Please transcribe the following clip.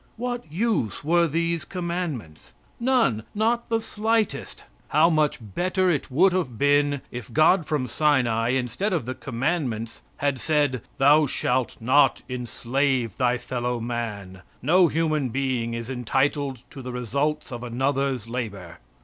What use were these commandments? None not the slightest. How much better it would have been if God from Sinai, instead of the commandments, had said: "Thou shalt not enslave thy fellow man; no human being is entitled to the results of another's labor."